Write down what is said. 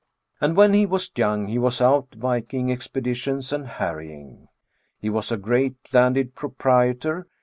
And when he was young he was out viking expeditions and harrying ... He was a great landed proprietor.